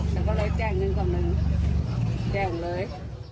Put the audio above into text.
ฉันก็เลยแจ้งเงินก่อนหนึ่งแจ้งเลย